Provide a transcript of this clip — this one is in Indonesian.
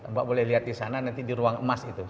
mbak boleh lihat disana nanti di ruang emas itu